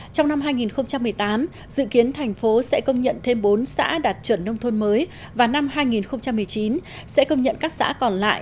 trong năm hai nghìn một mươi tám dự kiến thành phố sẽ công nhận thêm bốn xã đạt chuẩn nông thôn mới và năm hai nghìn một mươi chín sẽ công nhận các xã còn lại